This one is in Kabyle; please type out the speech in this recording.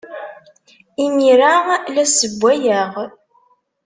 Imir-a, la ssewwayeɣ.